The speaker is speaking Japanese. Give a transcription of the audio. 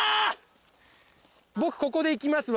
僕ここでいきますわ。